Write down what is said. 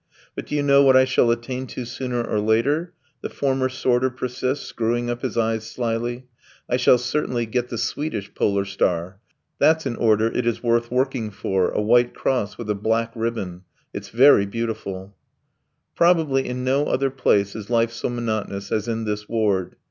"But do you know what I shall attain to sooner or later?" the former sorter persists, screwing up his eyes slyly. "I shall certainly get the Swedish 'Polar Star.' That's an order it is worth working for, a white cross with a black ribbon. It's very beautiful." Probably in no other place is life so monotonous as in this ward.